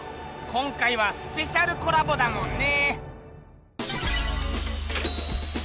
今回はスペシャルコラボだもんね。